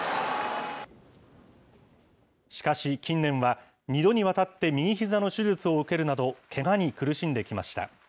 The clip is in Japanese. しかし近年は、２度にわたって右ひざの手術を受けるなど、けがに苦しんできました。